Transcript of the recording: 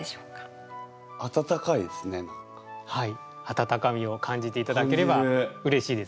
温かみを感じていただければうれしいですね。